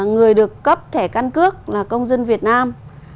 người được cấp thẻ căn cước là công dân việt nam